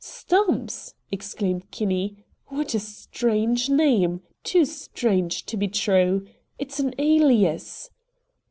"Stumps!" exclaimed Kinney. "What a strange name. Too strange to be true. It's an alias!"